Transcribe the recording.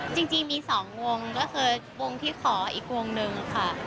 จริงมี๒วงก็คือวงที่ขออีกวงหนึ่งค่ะ